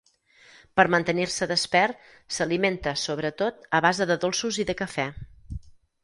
Per mantenir-se despert, s'alimenta, sobretot, a base de dolços i de cafè.